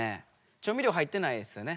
調味料入ってないですよね？